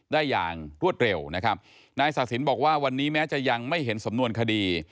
อย่างรวดเร็วนะครับนายศาสินบอกว่าวันนี้แม้จะยังไม่เห็นสำนวนคดี